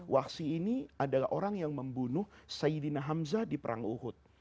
wahsyi ini adalah orang yang membunuh sayyidina hamzah di perang uhud